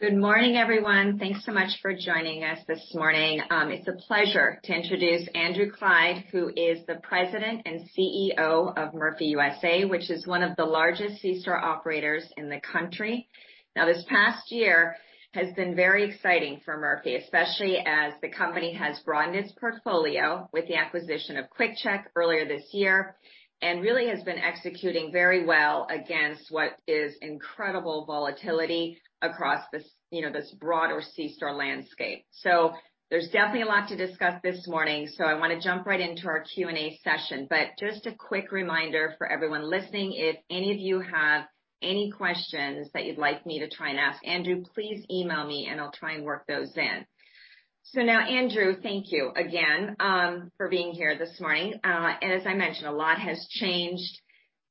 Good morning, everyone. Thanks so much for joining us this morning. It's a pleasure to introduce Andrew Clyde, who is the President and CEO of Murphy USA, which is one of the largest c-store operators in the country. This past year has been very exciting for Murphy, especially as the company has broadened its portfolio with the acquisition of QuickChek earlier this year, and really has been executing very well against what is incredible volatility across this broader c-store landscape. There's definitely a lot to discuss this morning, so I want to jump right into our Q&A session. Just a quick reminder for everyone listening, if any of you have any questions that you'd like me to try and ask Andrew, please email me and I'll try and work those in. Andrew, thank you again, for being here this morning. As I mentioned, a lot has changed,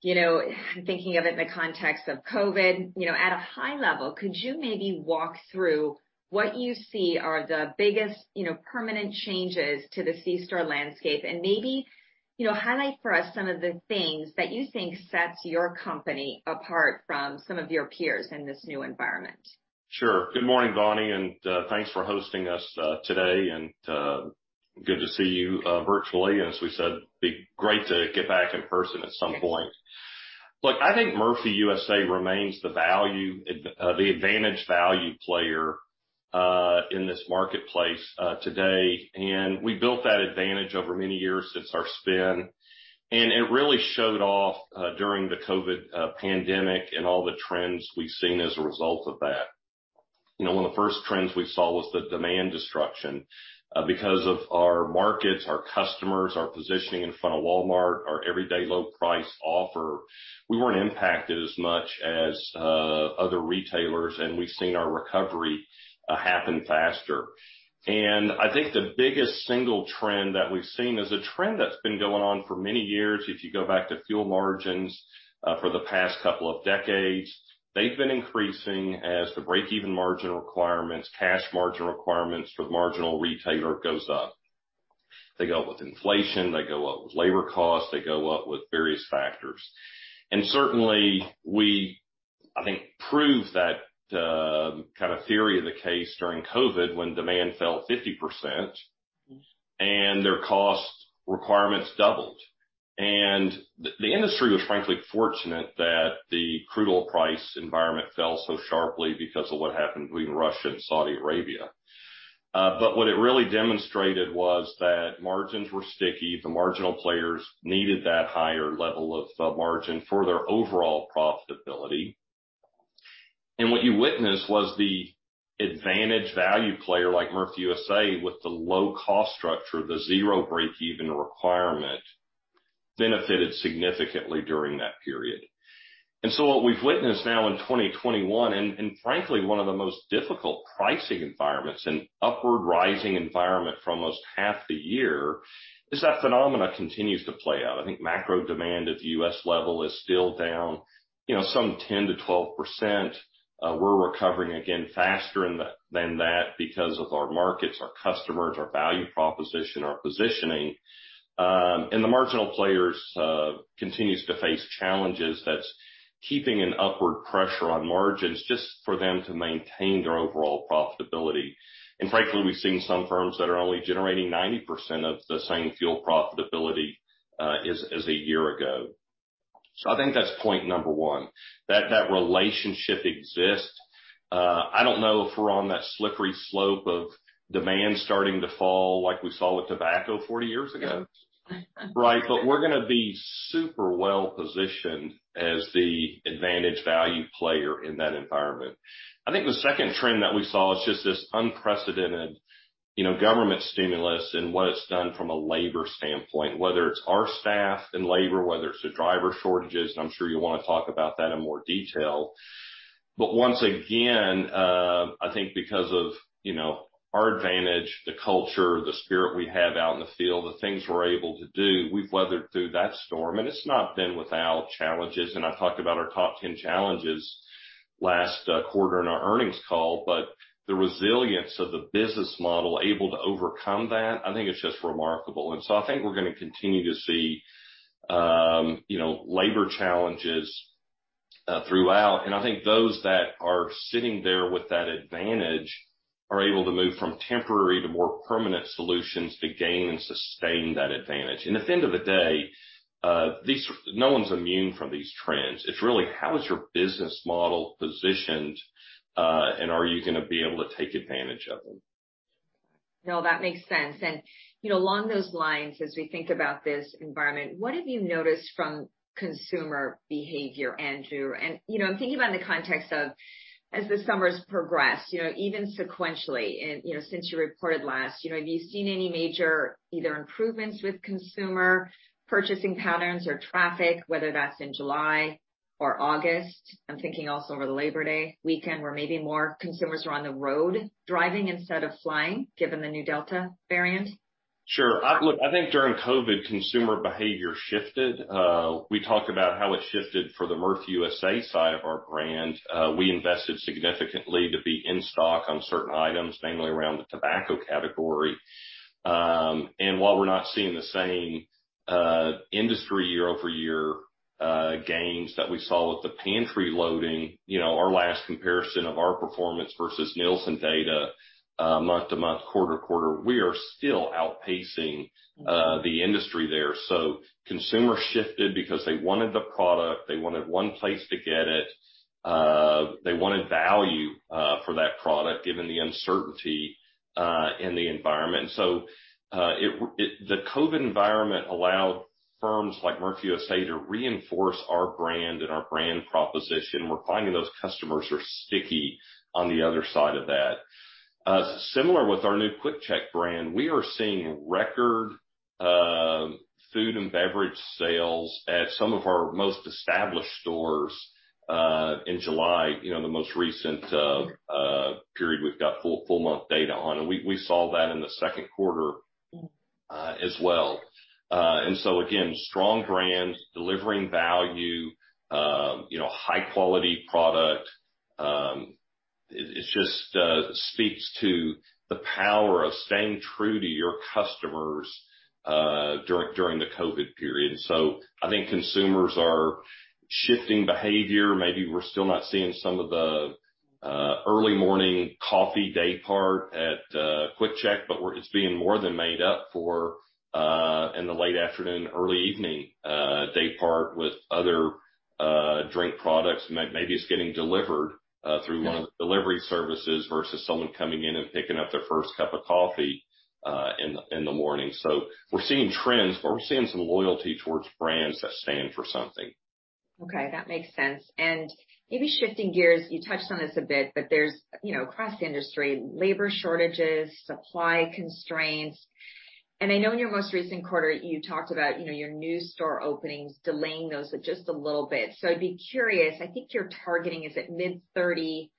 thinking of it in the context of COVID. At a high level, could you maybe walk through what you see are the biggest permanent changes to the c-store landscape and maybe, highlight for us some of the things that you think sets your company apart from some of your peers in this new environment? Sure. Good morning, Bonnie, and thanks for hosting us today. Good to see you virtually. As we said, be great to get back in person at some point. Look, I think Murphy USA remains the advantaged value player, in this marketplace today. We built that advantage over many years since our spin, and it really showed off during the COVID pandemic and all the trends we've seen as a result of that. One of the first trends we saw was the demand destruction. Because of our markets, our customers, our positioning in front of Walmart, our everyday low price offer, we weren't impacted as much as other retailers, and we've seen our recovery happen faster. I think the biggest single trend that we've seen is a trend that's been going on for many years. If you go back to fuel margins for the past couple of decades, they've been increasing as the break-even margin requirements, cash margin requirements for the marginal retailer goes up. They go up with inflation, they go up with labor costs, they go up with various factors. Certainly, we, I think, proved that theory of the case during COVID, when demand fell 50% and their cost requirements doubled. The industry was frankly fortunate that the crude oil price environment fell so sharply because of what happened between Russia and Saudi Arabia. What it really demonstrated was that margins were sticky. The marginal players needed that higher level of margin for their overall profitability. What you witnessed was the advantaged value player like Murphy USA with the low cost structure, the zero break-even requirement, benefited significantly during that period. What we've witnessed now in 2021, and frankly, one of the most difficult pricing environments, an upward rising environment for almost half the year, is that phenomena continues to play out. I think macro demand at the U.S. level is still down some 10%-12%. We're recovering again faster than that because of our markets, our customers, our value proposition, our positioning. The marginal players continues to face challenges that's keeping an upward pressure on margins just for them to maintain their overall profitability. Frankly, we've seen some firms that are only generating 90% of the same fuel profitability as a year ago. I think that's point number one, that relationship exists. I don't know if we're on that slippery slope of demand starting to fall like we saw with tobacco 40 years ago. We're going to be super well-positioned as the advantaged value player in that environment. I think the second trend that we saw is just this unprecedented government stimulus and what it's done from a labor standpoint, whether it's our staff and labor, whether it's the driver shortages, and I'm sure you'll want to talk about that in more detail. Once again, I think because of our advantage, the culture, the spirit we have out in the field, the things we're able to do, we've weathered through that storm. It's not been without challenges, and I talked about our top 10 challenges last quarter in our earnings call, but the resilience of the business model able to overcome that, I think it's just remarkable. I think we're going to continue to see labor challenges throughout. I think those that are sitting there with that advantage are able to move from temporary to more permanent solutions to gain and sustain that advantage. At the end of the day, no one's immune from these trends. It's really, how is your business model positioned, and are you going to be able to take advantage of them? No, that makes sense. Along those lines, as we think about this environment, what have you noticed from consumer behavior, Andrew? I'm thinking about it in the context of as the summer's progressed, even sequentially and since you reported last, have you seen any major either improvements with consumer purchasing patterns or traffic, whether that's in July or August? I'm thinking also over the Labor Day weekend where maybe more consumers are on the road driving instead of flying, given the new Delta variant. Sure. Look, I think during COVID, consumer behavior shifted. We talked about how it shifted for the Murphy USA side of our brand. We invested significantly to be in stock on certain items, mainly around the tobacco category. While we're not seeing the same industry year-over-year gains that we saw with the pantry loading, our last comparison of our performance versus Nielsen data, month-to-month, quarter-to-quarter, we are still outpacing the industry there. Consumers shifted because they wanted the product, they wanted one place to get it, they wanted value for that product, given the uncertainty in the environment. The COVID environment allowed firms like Murphy USA to reinforce our brand and our brand proposition. We're finding those customers are sticky on the other side of that. Similar with our new QuickChek brand, we are seeing record food and beverage sales at some of our most established stores, in July, the most recent period we've got full month data on. We saw that in the second quarter as well. Again, strong brands, delivering value, high-quality product, it just speaks to the power of staying true to your customers during the COVID period. I think consumers are shifting behavior. Maybe we're still not seeing some of the early morning coffee day part at QuickChek, but it's being more than made up for in the late afternoon, early evening day part with other drink products. Maybe it's getting delivered through one of the delivery services versus someone coming in and picking up their first cup of coffee in the morning. We're seeing trends, but we're seeing some loyalty towards brands that stand for something. Okay, that makes sense. Maybe shifting gears, you touched on this a bit, but there's, across the industry, labor shortages, supply constraints. I know in your most recent quarter, you talked about your new store openings, delaying those just a little bit. I'd be curious, I think you're targeting, is it mid-30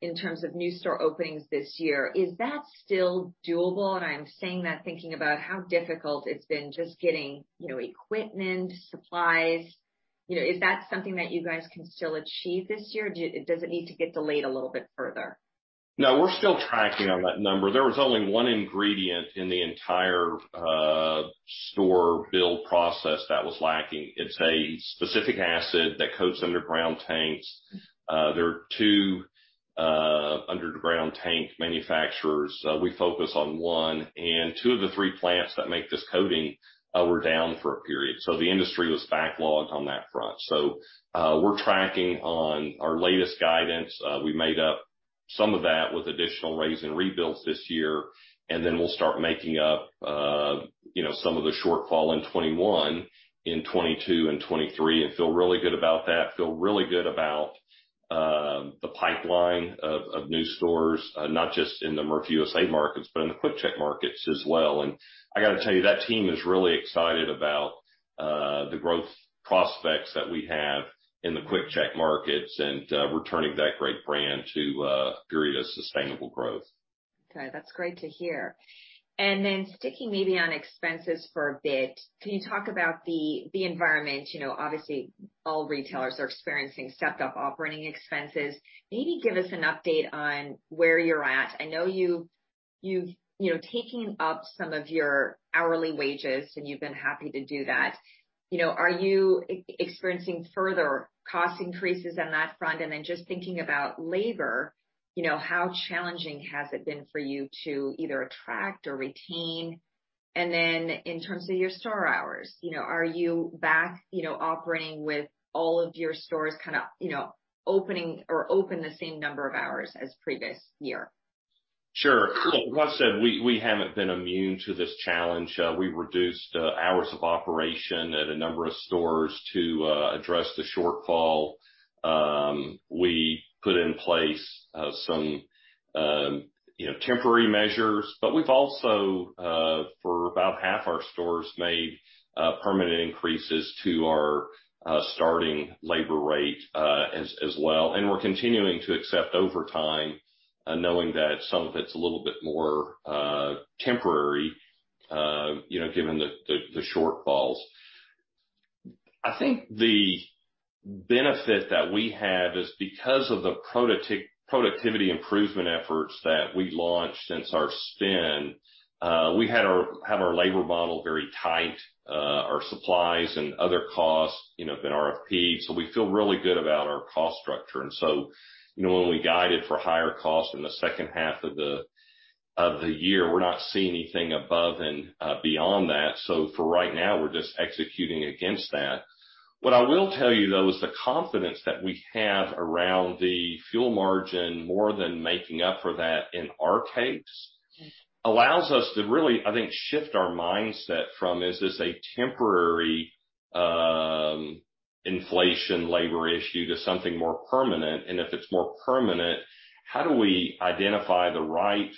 in terms of new store openings this year? Is that still doable? I'm saying that thinking about how difficult it's been just getting equipment, supplies. Is that something that you guys can still achieve this year, or does it need to get delayed a little bit further? We're still tracking on that number. There was only one ingredient in the entire store build process that was lacking. It's a specific acid that coats underground tanks. There are two underground tank manufacturers. We focus on one. Two of the three plants that make this coating were down for a period. The industry was backlogged on that front. We're tracking on our latest guidance. We made up some of that with additional raze-and-rebuilds this year. We'll start making up some of the shortfall in 2021, in 2022 and 2023, and feel really good about that. Feel really good about the pipeline of new stores, not just in the Murphy USA markets, but in the QuickChek markets as well. I got to tell you, that team is really excited about the growth prospects that we have in the QuickChek markets, and returning that great brand to a period of sustainable growth. Okay, that's great to hear. Sticking maybe on expenses for a bit, can you talk about the environment? Obviously, all retailers are experiencing stepped-up operating expenses. Maybe give us an update on where you're at. I know you've taken up some of your hourly wages, and you've been happy to do that. Are you experiencing further cost increases on that front? Just thinking about labor, how challenging has it been for you to either attract or retain? In terms of your store hours, are you back operating with all of your stores open the same number of hours as previous year? Sure. Look, like I said, we haven't been immune to this challenge. We've reduced hours of operation at a number of stores to address the shortfall. We put in place some temporary measures. We've also, for about half our stores, made permanent increases to our starting labor rate as well. We're continuing to accept overtime, knowing that some of it's a little bit more temporary, given the shortfalls. I think the benefit that we have is because of the productivity improvement efforts that we launched since our spin, we had our labor model very tight. Our supplies and other costs have been RFP'd. We feel really good about our cost structure. When we guided for higher costs in the second half of the year, we're not seeing anything above and beyond that. For right now, we're just executing against that. What I will tell you, though, is the confidence that we have around the fuel margin more than making up for that in our case, allows us to really, I think, shift our mindset from, is this a temporary inflation labor issue to something more permanent? If it's more permanent, how do we identify the right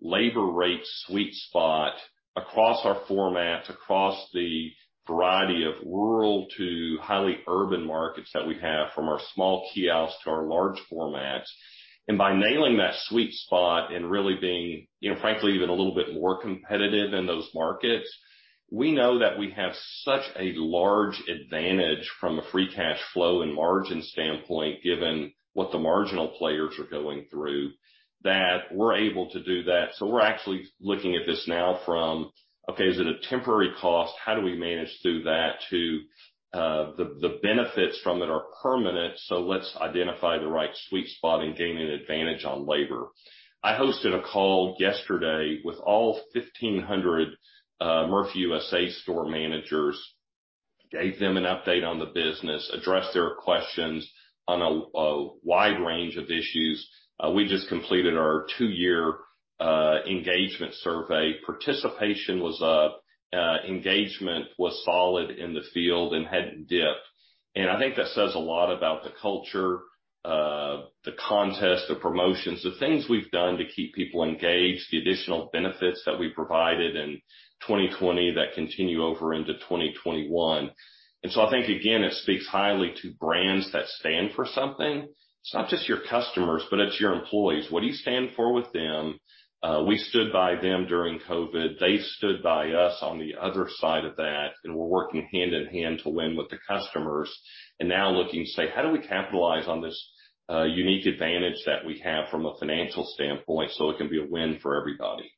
labor rate sweet spot across our formats, across the variety of rural to highly urban markets that we have from our small kiosks to our large formats. By nailing that sweet spot and really being, frankly, even a little bit more competitive in those markets, we know that we have such a large advantage from a free cash flow and margin standpoint, given what the marginal players are going through, that we're able to do that. We're actually looking at this now from, okay, is it a temporary cost? How do we manage through that to the benefits from it are permanent, so let's identify the right sweet spot and gain an advantage on labor. I hosted a call yesterday with all 1,500 Murphy USA store managers, gave them an update on the business, addressed their questions on a wide range of issues. We just completed our two-year engagement survey. Participation was up, engagement was solid in the field and hadn't dipped. I think that says a lot about the culture, the contest, the promotions, the things we've done to keep people engaged, the additional benefits that we provided in 2020 that continue over into 2021. I think, again, it speaks highly to brands that stand for something. It's not just your customers, but it's your employees. What do you stand for with them? We stood by them during COVID. They stood by us on the other side of that, and we're working hand-in-hand to win with the customers. Now looking to say, "How do we capitalize on this unique advantage that we have from a financial standpoint so it can be a win for everybody?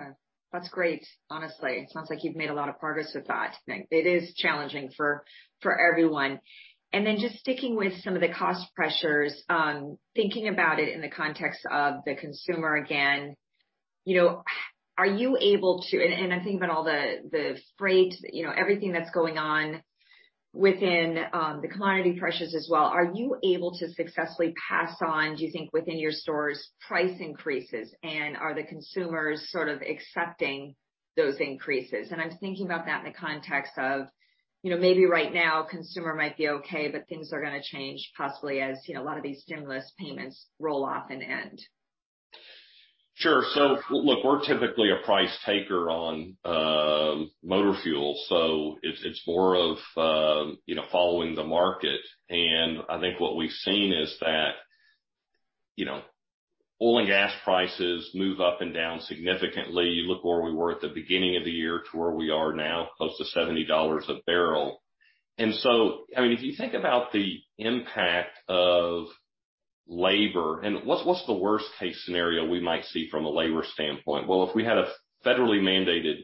Okay. That's great. Honestly, it sounds like you've made a lot of progress with that. It is challenging for everyone. Just sticking with some of the cost pressures, thinking about it in the context of the consumer again, and I think about all the freight, everything that's going on within the commodity pressures as well. Are you able to successfully pass on, do you think, within your stores, price increases? Are the consumers sort of accepting those increases? I'm thinking about that in the context of, maybe right now, consumer might be okay, but things are going to change possibly as a lot of these stimulus payments roll off and end. Sure. Look, we're typically a price taker on motor fuel, so it's more of following the market. I think what we've seen is that oil and gas prices move up and down significantly. You look where we were at the beginning of the year to where we are now, close to $70 a barrel. If you think about the impact of labor and what's the worst case scenario we might see from a labor standpoint? Well, if we had a federally mandated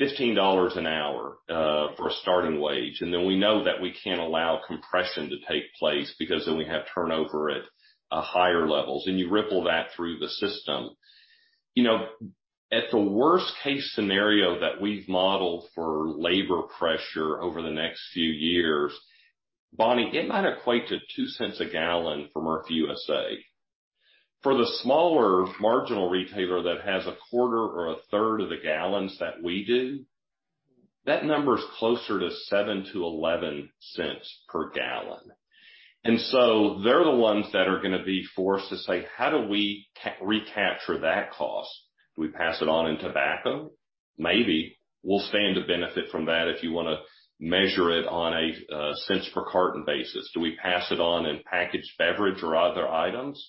$15 an hour for a starting wage, and then we know that we can't allow compression to take place because then we have turnover at higher levels, and you ripple that through the system. At the worst case scenario that we've modeled for labor pressure over the next few years, Bonnie, it might equate to $0.02 a gallon for Murphy USA. For the smaller marginal retailer that has a quarter or a third of the gallons that we do, that number is closer to $0.07-$0.11 per gallon. So they're the ones that are going to be forced to say, "How do we recapture that cost?" Do we pass it on in tobacco? Maybe. We'll stand to benefit from that if you want to measure it on a cents per carton basis. Do we pass it on in packaged beverage or other items?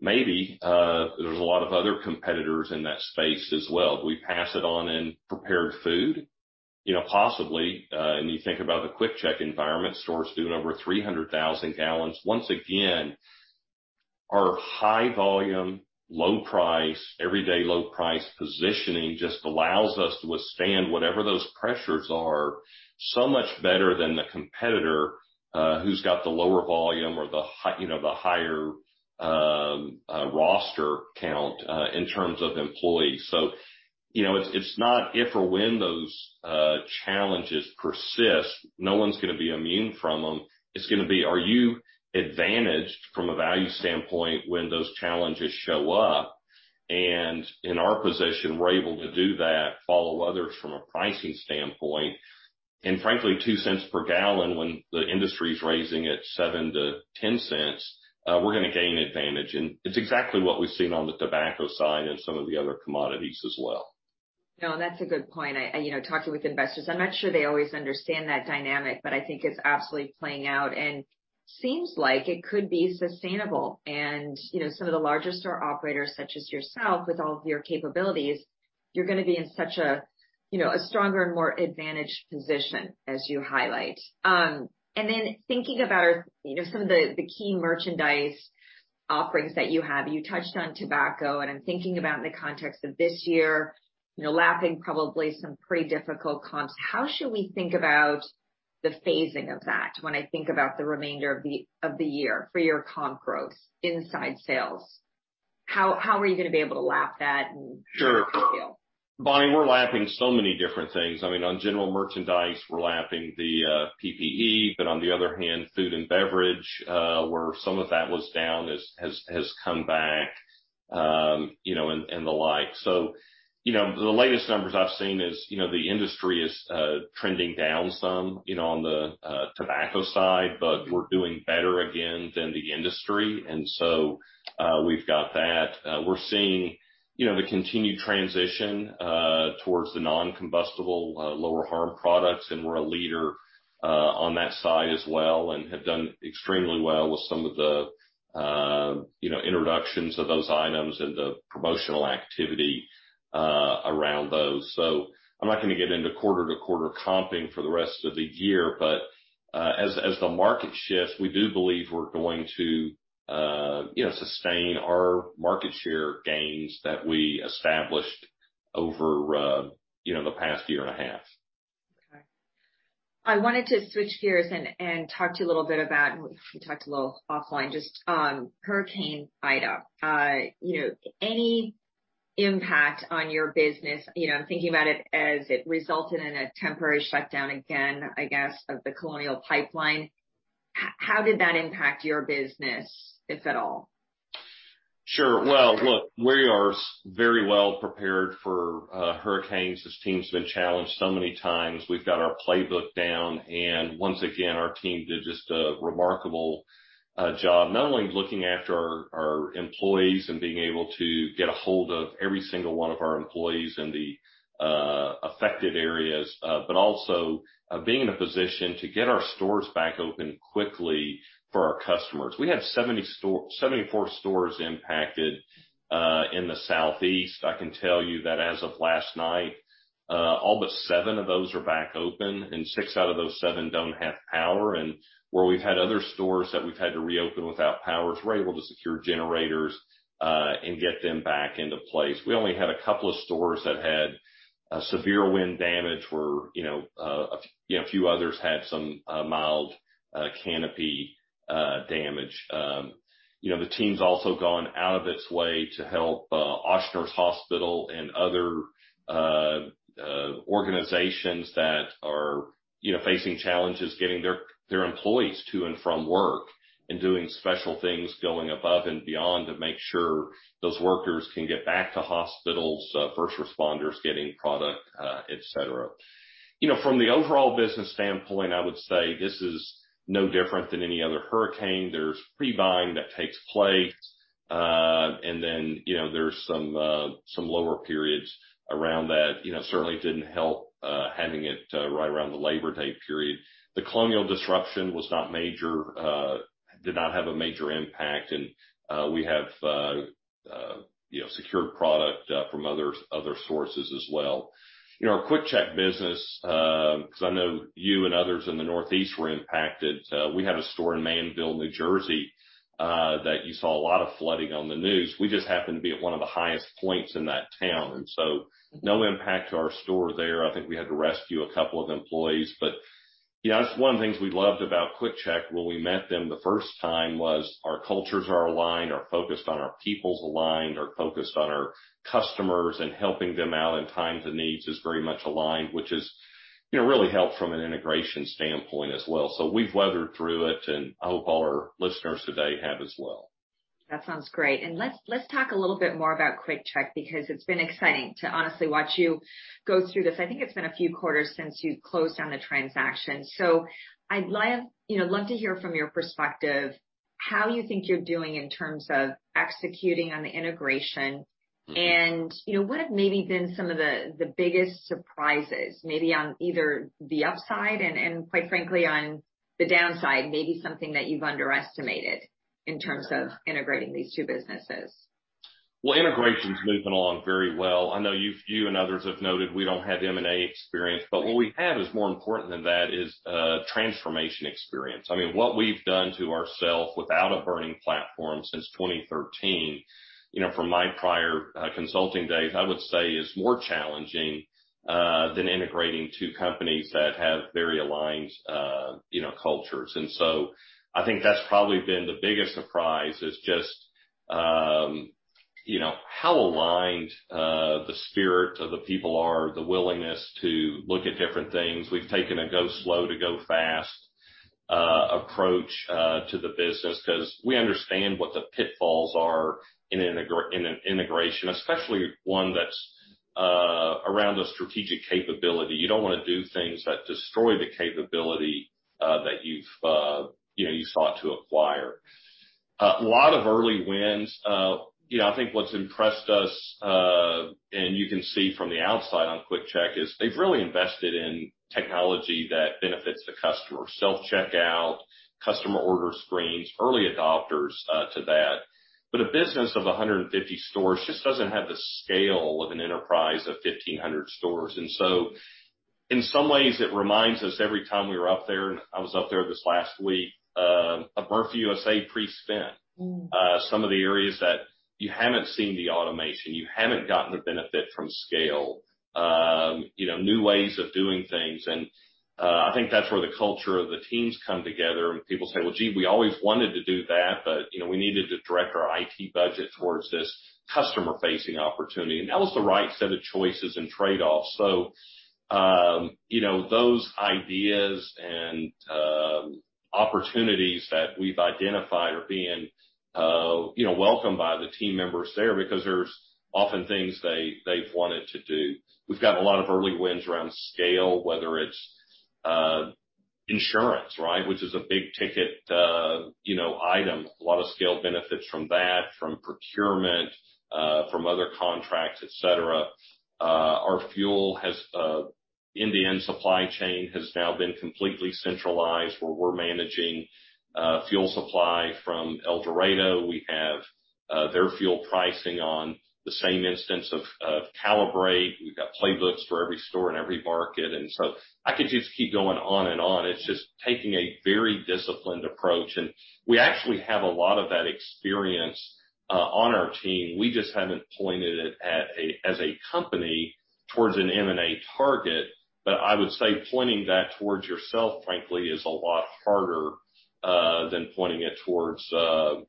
Maybe. There's a lot of other competitors in that space as well. Do we pass it on in prepared food? Possibly. You think about the QuickChek environment, stores doing over 300,000 gallons. Once again, our high volume, low price, everyday low price positioning just allows us to withstand whatever those pressures are so much better than the competitor who's got the lower volume or the higher roster count in terms of employees. It's not if or when those challenges persist. No one's going to be immune from them. It's going to be, are you advantaged from a value standpoint when those challenges show up? In our position, we're able to do that, follow others from a pricing standpoint. Frankly, $0.02 per gallon when the industry is raising it $0.07-$0.10, we're going to gain advantage. It's exactly what we've seen on the tobacco side and some of the other commodities as well. No, that's a good point. Talking with investors, I'm not sure they always understand that dynamic, but I think it's absolutely playing out and seems like it could be sustainable. Some of the larger store operators such as yourself with all of your capabilities, you're going to be in such a stronger and more advantaged position as you highlight. Then thinking about some of the key merchandise offerings that you have. You touched on tobacco, and I'm thinking about in the context of this year, lapping probably some pretty difficult comps. How should we think about the phasing of that when I think about the remainder of the year for your comp growth inside sales? How are you going to be able to lap that? Sure how do you feel? Bonnie, we're lapping so many different things. On general merchandise, we're lapping the PPE, but on the other hand, food and beverage, where some of that was down, has come back and the like. The latest numbers I've seen is, the industry is trending down some on the tobacco side, but we're doing better again than the industry, and so, we've got that. We're seeing the continued transition towards the non-combustible, lower harm products, and we're a leader on that side as well, and have done extremely well with some of the introductions of those items and the promotional activity around those. I'm not going to get into quarter-to-quarter comping for the rest of the year, but as the market shifts, we do believe we're going to sustain our market share gains that we established over the past year and a half. Okay. I wanted to switch gears and talk to you a little bit about, we talked a little offline, just on Hurricane Ida. Any impact on your business? I'm thinking about it as it resulted in a temporary shutdown again, I guess, of the Colonial Pipeline. How did that impact your business, if at all? Sure. Well, look, we are very well prepared for hurricanes. This team's been challenged so many times. We've got our playbook down, and once again, our team did just a remarkable job, not only looking after our employees and being able to get a hold of every single one of our employees in the affected areas, but also being in a position to get our stores back open quickly for our customers. We had 74 stores impacted, in the Southeast. I can tell you that as of last night, all but seven of those are back open, and six out of those seven don't have power. Where we've had other stores that we've had to reopen without power, we're able to secure generators, and get them back into place. We only had a couple of stores that had severe wind damage where a few others had some mild canopy damage. The team's also gone out of its way to help Ochsner Hospital and other organizations that are facing challenges getting their employees to and from work, and doing special things, going above and beyond to make sure those workers can get back to hospitals, first responders getting product, et cetera. From the overall business standpoint, I would say this is no different than any other hurricane. There's pre-buying that takes place, and then there's some lower periods around that. Certainly didn't help having it right around the Labor Day period. The Colonial disruption did not have a major impact, and we have secured product from other sources as well. Our QuickChek business, because I know you and others in the northeast were impacted. We had a store in Manville, New Jersey, that you saw a lot of flooding on the news. We just happened to be at one of the highest points in that town, and so no impact to our store there. I think we had to rescue a couple of employees. That's one of the things we loved about QuickChek when we met them the first time was our cultures are aligned, our focus on our people's aligned, our focus on our customers and helping them out in times of needs is very much aligned. Which has really helped from an integration standpoint as well. We've weathered through it, and I hope all our listeners today have as well. That sounds great. Let's talk a little bit more about QuickChek because it's been exciting to honestly watch you go through this. I think it's been a few quarters since you closed on the transaction. I'd love to hear from your perspective, how you think you're doing in terms of executing on the integration and what have maybe been some of the biggest surprises, maybe on either the upside and, quite frankly, on the downside, maybe something that you've underestimated in terms of integrating these two businesses. Well, integration's moving along very well. I know you and others have noted we don't have M&A experience. What we have is more important than that is a transformation experience. What we've done to ourself without a burning platform since 2013, from my prior consulting days, I would say is more challenging, than integrating two companies that have very aligned cultures. I think that's probably been the biggest surprise is just how aligned, the spirit of the people are, the willingness to look at different things. We've taken a go slow to go fast approach to the business because we understand what the pitfalls are in an integration, especially one that's around a strategic capability. You don't want to do things that destroy the capability that you've sought to acquire. A lot of early wins. I think what's impressed us, and you can see from the outside on QuickChek, is they've really invested in technology that benefits the customer. Self-checkout, customer order screens, early adopters to that. A business of 150 stores just doesn't have the scale of an enterprise of 1,500 stores. In some ways it reminds us every time we were up there, and I was up there this last week, of Murphy USA pre-spin. Some of the areas that you haven't seen the automation, you haven't gotten the benefit from scale. New ways of doing things. I think that's where the culture of the teams come together and people say, "Well, gee, we always wanted to do that, but we needed to direct our IT budget towards this customer-facing opportunity." That was the right set of choices and trade-offs. Those ideas and opportunities that we've identified are being welcomed by the team members there because there's often things they've wanted to do. We've got a lot of early wins around scale, whether it's insurance, which is a big ticket item. A lot of scale benefits from that, from procurement, from other contracts, et cetera. Our fuel end-to-end supply chain has now been completely centralized, where we're managing fuel supply from El Dorado. We have their fuel pricing on the same instance of Kalibrate. We've got playbooks for every store and every market. I could just keep going on and on. It's just taking a very disciplined approach. We actually have a lot of that experience on our team. We just haven't pointed it as a company towards an M&A target. I would say pointing that towards yourself, frankly, is a lot harder than pointing it towards a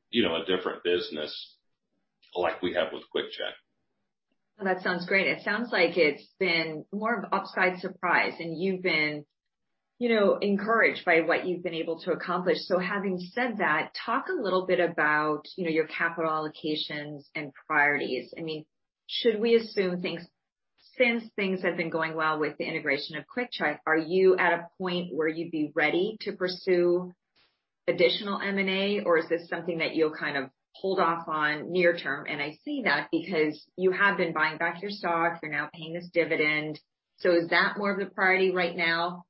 different business like we have with QuickChek. That sounds great. It sounds like it's been more of an upside surprise, and you've been encouraged by what you've been able to accomplish. Having said that, talk a little bit about your capital allocations and priorities. Should we assume since things have been going well with the integration of QuickChek, are you at a point where you'd be ready to pursue additional M&A, or is this something that you'll kind of hold off on near term? I say that because you have been buying back your stocks, you're now paying this dividend. Is that more of the priority right now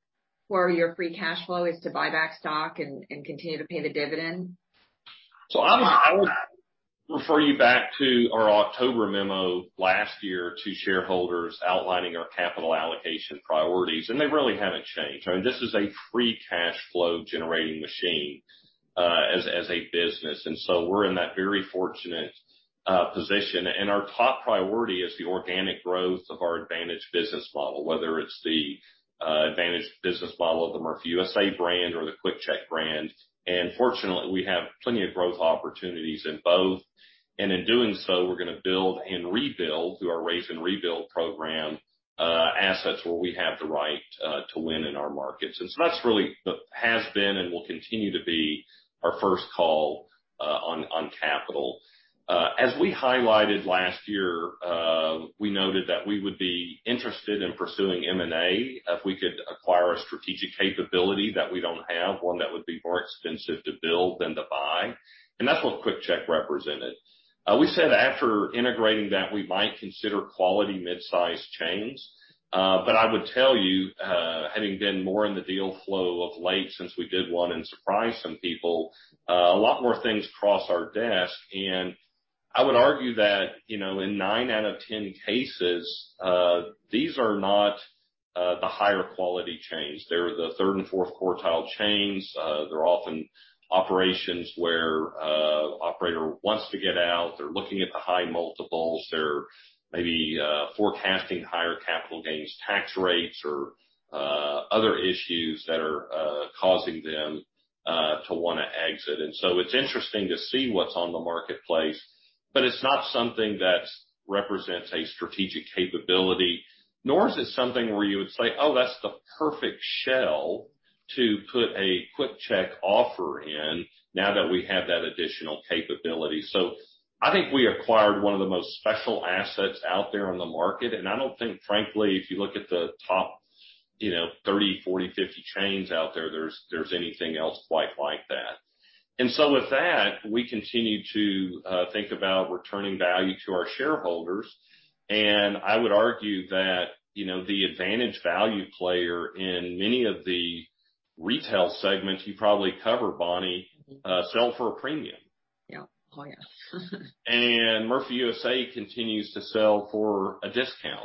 for your free cash flow, is to buy back stock and continue to pay the dividend? I would refer you back to our October memo last year to shareholders outlining our capital allocation priorities, and they really haven't changed. This is a free cash flow generating machine as a business, we're in that very fortunate position. Our top priority is the organic growth of our advantage business model, whether it's the advantage business model of the Murphy USA brand or the QuickChek brand. Fortunately, we have plenty of growth opportunities in both. In doing so, we're going to build and rebuild, through our raise and rebuild program, assets where we have the right to win in our markets. That really has been and will continue to be our first call on capital. As we highlighted last year, we noted that we would be interested in pursuing M&A if we could acquire a strategic capability that we don't have, one that would be more expensive to build than to buy. That's what QuickChek represented. We said after integrating that we might consider quality mid-size chains. I would tell you, having been more in the deal flow of late since we did one and surprised some people, a lot more things cross our desk. I would argue that in nine out of 10 cases, these are not the higher quality chains. They're the third and fourth quartile chains. They're often operations where operator wants to get out. They're looking at the high multiples. They're maybe forecasting higher capital gains tax rates or other issues that are causing them to want to exit. It's interesting to see what's on the marketplace, but it's not something that represents a strategic capability, nor is it something where you would say, "Oh, that's the perfect shell to put a QuickChek offer in now that we have that additional capability." I think we acquired one of the most special assets out there on the market, and I don't think, frankly, if you look at the top 30, 40, 50 chains out there's anything else quite like that. With that, we continue to think about returning value to our shareholders. I would argue that the advantage value player in many of the retail segments you probably cover, Bonnie, sell for a premium. Yeah. Oh, yes. Murphy USA continues to sell for a discount.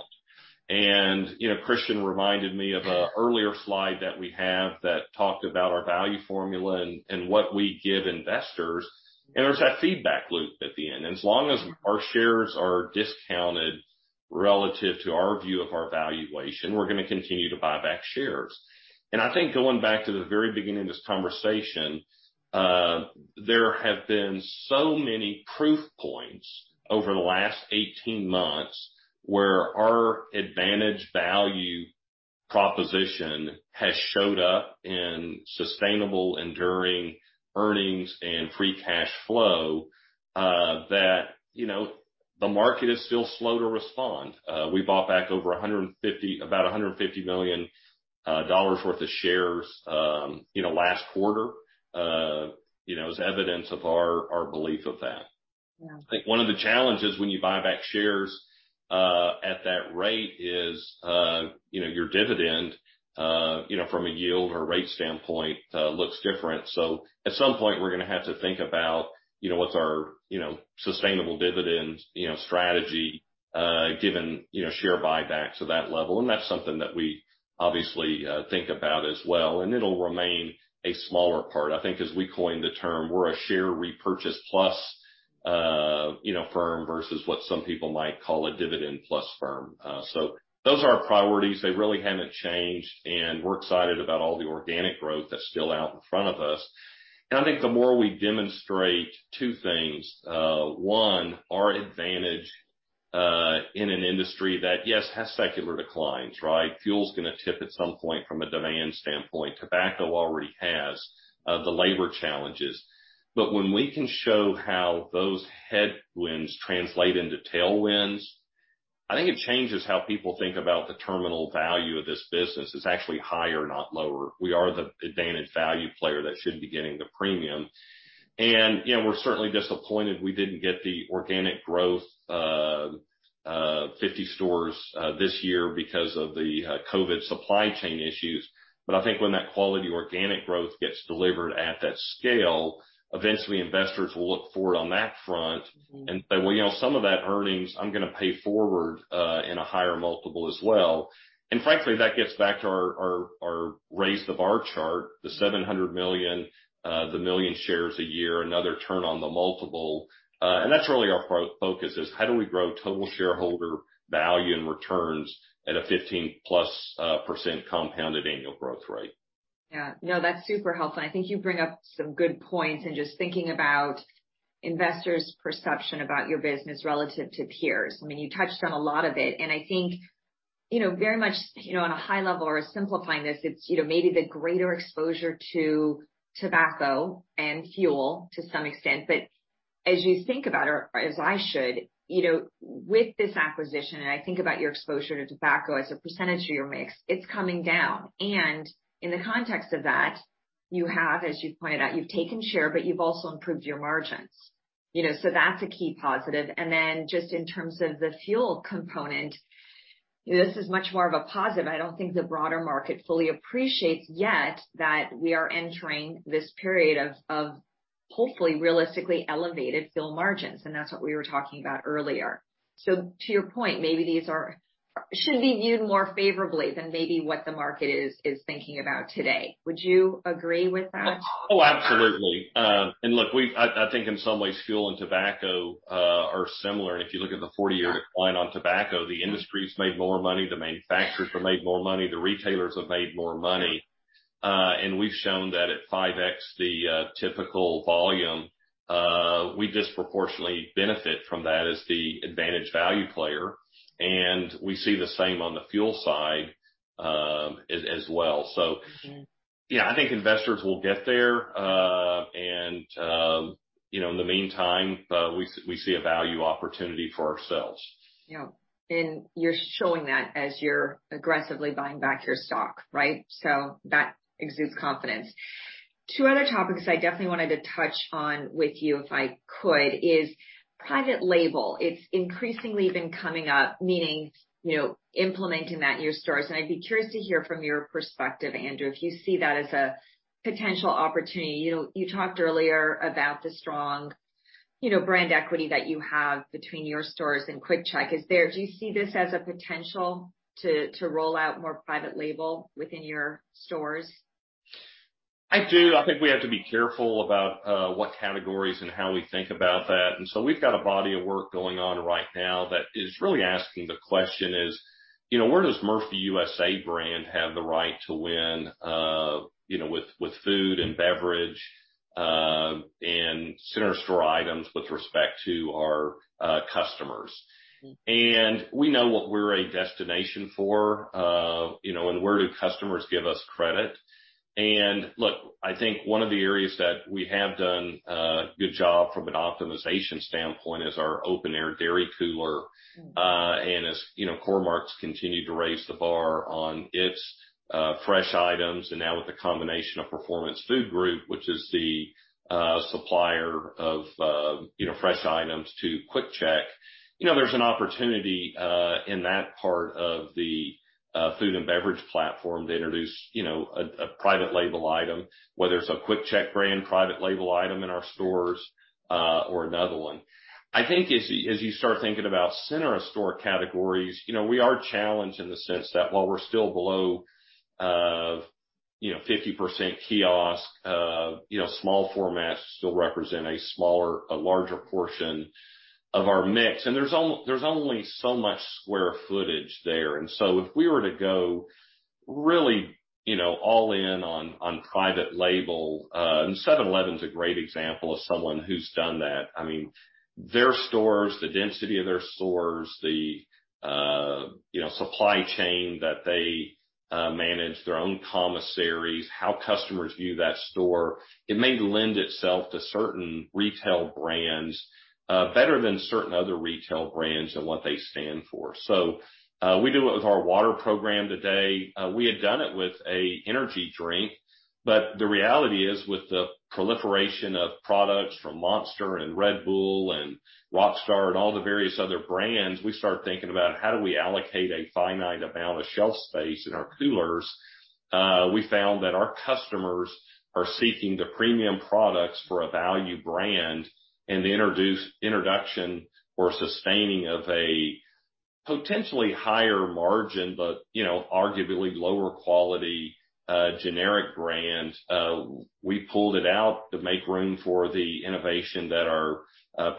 Christian reminded me of an earlier slide that we have that talked about our value formula and what we give investors, and there's that feedback loop at the end. As long as our shares are discounted relative to our view of our valuation, we're going to continue to buy back shares. I think going back to the very beginning of this conversation, there have been so many proof points over the last 18 months where our advantage value proposition has showed up in sustainable, enduring earnings and free cash flow, that the market is still slow to respond. We bought back about $150 million worth of shares last quarter, as evidence of our belief of that. Yeah. I think one of the challenges when you buy back shares at that rate is your dividend, from a yield or rate standpoint, looks different. At some point, we're going to have to think about what's our sustainable dividend strategy, given share buybacks at that level. That's something that we obviously think about as well, and it'll remain a smaller part. I think as we coined the term, we're a share repurchase plus firm versus what some people might call a dividend plus firm. Those are our priorities. They really haven't changed, and we're excited about all the organic growth that's still out in front of us. I think the more we demonstrate two things, one, our advantage, in an industry that, yes, has secular declines, right? Fuel's going to tip at some point from a demand standpoint. Tobacco already has the labor challenges. When we can show how those headwinds translate into tailwinds, I think it changes how people think about the terminal value of this business is actually higher, not lower. We are the advantaged value player that should be getting the premium. We're certainly disappointed we didn't get the organic growth, 50 stores this year because of the COVID supply chain issues. I think when that quality organic growth gets delivered at that scale, eventually investors will look for it on that front and say, "Well, some of that earnings, I'm going to pay forward, in a higher multiple as well." Frankly, that gets back to our raise the bar chart, the $700 million, the 1 million shares a year, another turn on the multiple. That's really our focus is how do we grow total shareholder value and returns at a 15%+ compounded annual growth rate. Yeah. No, that's super helpful. I think you bring up some good points in just thinking about investors' perception about your business relative to peers. I mean, you touched on a lot of it. I think very much, on a high level or simplifying this, it's maybe the greater exposure to tobacco and fuel to some extent. As you think about, or as I should, with this acquisition, I think about your exposure to tobacco as a percentage of your mix, it's coming down. In the context of that, you have, as you pointed out, you've taken share, but you've also improved your margins. That's a key positive. Just in terms of the fuel component, this is much more of a positive. I don't think the broader market fully appreciates yet that we are entering this period of hopefully realistically elevated fuel margins, and that's what we were talking about earlier. To your point, maybe these should be viewed more favorably than maybe what the market is thinking about today. Would you agree with that? Oh, absolutely. Look, I think in some ways fuel and tobacco are similar. If you look at the 40-year decline on tobacco, the industry's made more money, the manufacturers have made more money, the retailers have made more money. We've shown that at 5x, the typical volume, we disproportionately benefit from that as the advantage value player, and we see the same on the fuel side as well. Yeah, I think investors will get there. In the meantime, we see a value opportunity for ourselves. Yeah. You're showing that as you're aggressively buying back your stock, right? That exudes confidence. Two other topics I definitely wanted to touch on with you, if I could, is private label. It's increasingly been coming up, meaning, implementing that in your stores. I'd be curious to hear from your perspective, Andrew, if you see that as a potential opportunity. You talked earlier about the strong brand equity that you have between your stores and QuickChek. Do you see this as a potential to roll out more private label within your stores? I do. I think we have to be careful about what categories and how we think about that. So we've got a body of work going on right now that is really asking the question is, where does Murphy USA brand have the right to win with food and beverage, and center store items with respect to our customers? We know what we're a destination for, and where do customers give us credit. Look, I think one of the areas that we have done a good job from an optimization standpoint is our open air dairy cooler. As Core-Mark continue to raise the bar on its fresh items, and now with the combination of Performance Food Group, which is the supplier of fresh items to QuickChek. There's an opportunity, in that part of the food and beverage platform to introduce a private-label item, whether it's a QuickChek brand private-label item in our stores, or another one. I think as you start thinking about center store categories, we are challenged in the sense that while we're still below 50% kiosk. Small formats still represent a larger portion of our mix, and there's only so much square footage there. If we were to go really all in on private-label, and 7-Eleven's a great example of someone who's done that. Their stores, the density of their stores, the supply chain that they manage, their own commissaries, how customers view that store, it may lend itself to certain retail brands, better than certain other retail brands and what they stand for. We do it with our water program today. We had done it with a energy drink. The reality is, with the proliferation of products from Monster and Red Bull and Rockstar and all the various other brands, we start thinking about how do we allocate a finite amount of shelf space in our coolers. We found that our customers are seeking the premium products for a value brand and the introduction or sustaining of a potentially higher margin, but arguably lower quality generic brand. We pulled it out to make room for the innovation that our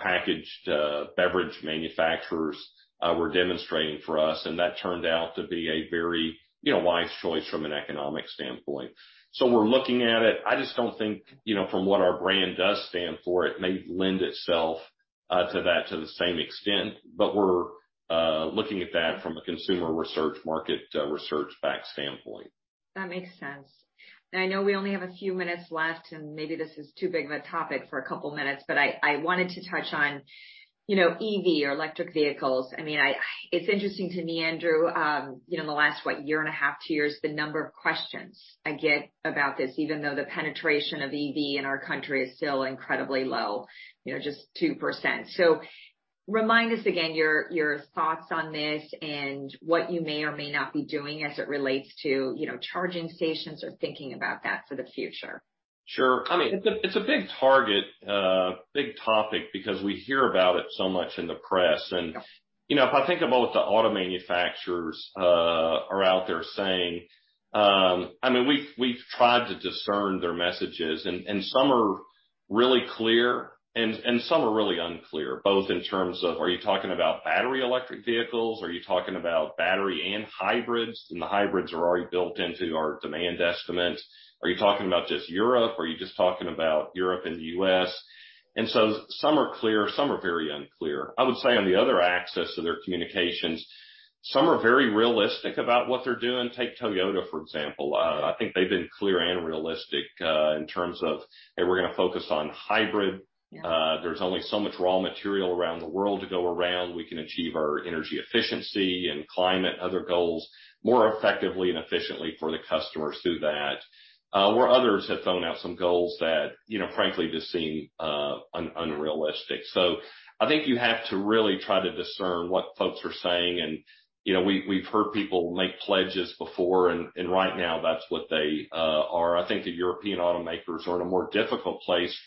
packaged beverage manufacturers were demonstrating for us. That turned out to be a very wise choice from an economic standpoint. We're looking at it. I just don't think, from what our brand does stand for, it may lend itself to that to the same extent. We're looking at that from a consumer research, market research-backed standpoint. That makes sense. I know we only have a few minutes left, maybe this is too big of a topic for a couple of minutes. I wanted to touch on EV or electric vehicles. It's interesting to me, Andrew, in the last, what? Year and a half, two years, the number of questions I get about this, even though the penetration of EV in our country is still incredibly low, just 2%. Remind us again, your thoughts on this and what you may or may not be doing as it relates to charging stations or thinking about that for the future. Sure. It's a big target, big topic, because we hear about it so much in the press. If I think about what the auto manufacturers are out there saying, we've tried to discern their messages, and some are really clear and some are really unclear, both in terms of, are you talking about battery electric vehicles? Are you talking about battery and hybrids? The hybrids are already built into our demand estimate. Are you talking about just Europe? Are you just talking about Europe and the U.S.? Some are clear, some are very unclear. I would say on the other axis of their communications, some are very realistic about what they're doing. Take Toyota, for example. I think they've been clear and realistic, in terms of, "Hey, we're going to focus on hybrid. Yeah. There's only so much raw material around the world to go around. We can achieve our energy efficiency and climate, other goals, more effectively and efficiently for the customers through that. Where others have thrown out some goals that, frankly, just seem unrealistic. I think you have to really try to discern what folks are saying, and we've heard people make pledges before, and right now, that's what they are. I think the European automakers are in a more difficult place,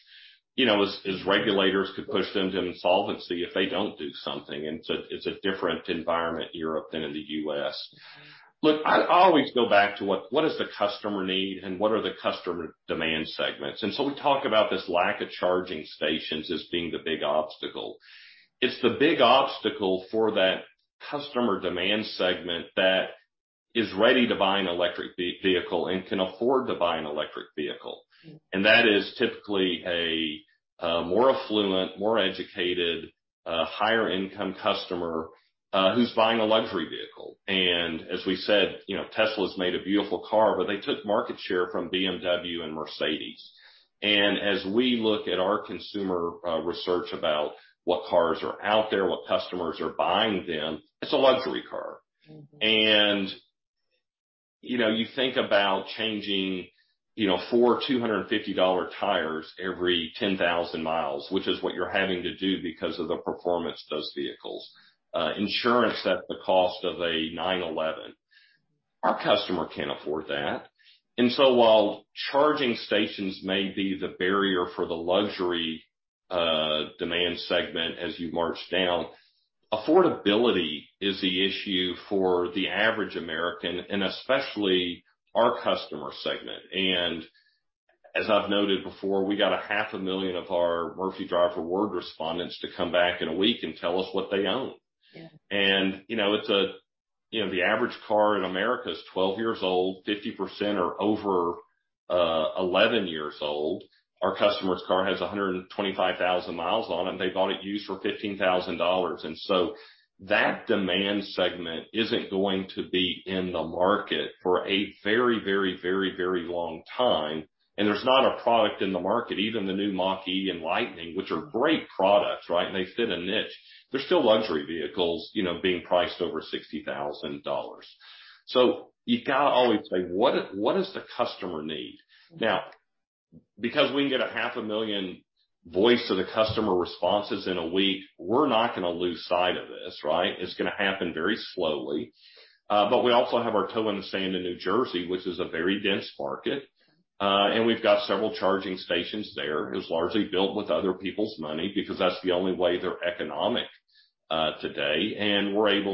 as regulators could push them to insolvency if they don't do something. It's a different environment in Europe than in the U.S. Look, I always go back to what does the customer need and what are the customer demand segments? We talk about this lack of charging stations as being the big obstacle. It's the big obstacle for that customer demand segment that is ready to buy an electric vehicle and can afford to buy an electric vehicle. That is typically a more affluent, more educated, higher income customer who's buying a luxury vehicle. As we said, Tesla's made a beautiful car, but they took market share from BMW and Mercedes. As we look at our consumer research about what cars are out there, what customers are buying them, it's a luxury car. You think about changing four $250 tires every 10,000 mi, which is what you're having to do because of the performance of those vehicles. Insurance at the cost of a 911. Our customer can't afford that. While charging stations may be the barrier for the luxury demand segment as you march down, affordability is the issue for the average American, and especially our customer segment. As I've noted before, we got a 500,000 of our Murphy Drive Rewards respondents to come back in a week and tell us what they own. Yeah. The average car in America is 12 years old, 50% are over 11 years old. Our customer's car has 125,000 mi on it, and they bought it used for $15,000. That demand segment isn't going to be in the market for a very long time. There's not a product in the market, even the new Mach-E and Lightning, which are great products, right? They fit a niche. They're still luxury vehicles being priced over $60,000. You got to always say, what does the customer need? Now, because we can get a 500,000 voice of the customer responses in one week, we're not going to lose sight of this, right? It's going to happen very slowly. We also have our toe in the sand in New Jersey, which is a very dense market. We've got several charging stations there. It was largely built with other people's money because that's the only way they're economic today.